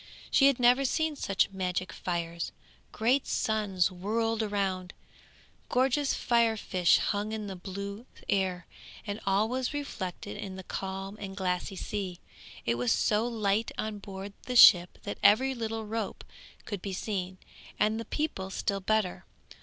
She had never seen such magic fires. Great suns whirled round, gorgeous fire fish hung in the blue air, and all was reflected in the calm and glassy sea. It was so light on board the ship that every little rope could be seen, and the people still better.